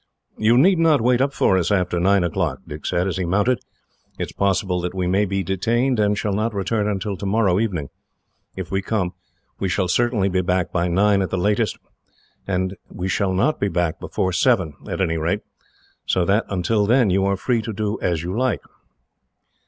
"You need not wait up for us, after nine o'clock," Dick said, as he mounted. "It is possible that we may be detained, and shall not return until tomorrow evening. If we come, we shall certainly be back by nine at the latest, and we shall not be back before seven, at any rate, so that until then you are free to do as you like."